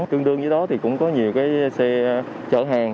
tương đương với đó thì cũng có nhiều cái xe chở hàng